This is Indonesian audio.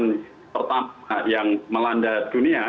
yang pertama yang melanda dunia